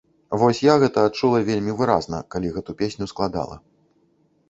Вось я гэта адчула вельмі выразна, калі гэту песню складала.